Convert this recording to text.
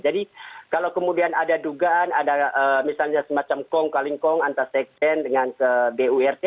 jadi kalau kemudian ada dugaan ada misalnya semacam kong kaling kong antar sekjen dengan burt